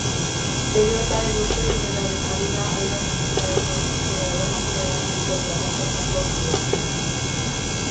Heriotzaren urteurrenaren harira, hainbat ekintza egingo dituztela ere jakinarazi dute plataformako kideek.